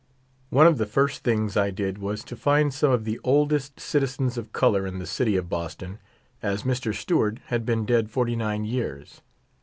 One of the first things I did was to find some of the oldest citizens of color in the city of Boston, as Mr. Stewart had been dead forty nine 3'ear9.